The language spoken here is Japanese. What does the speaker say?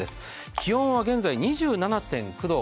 気温は現在２７．９度。